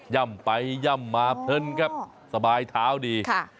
่ำไปย่ำมาเพลินครับสบายเท้าดี